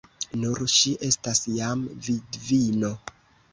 Nun ŝi estas jam vidvino!